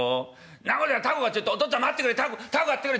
「んなこと凧がちょっとお父っつぁん待ってくれ凧凧買ってくれ。